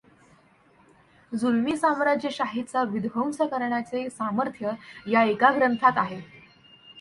जुलमी साम्राज्यशाहीचा विध्वंस करण्याचे सामर्थ्य या एका ग्रंथात आहे.